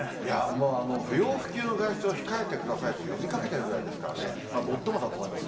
もう不要不急の外出を控えてくださいと呼びかけてるぐらいですからね、もっともだと思います。